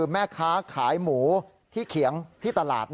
แม่ที่ขายหมูเฉียงที่ตลาด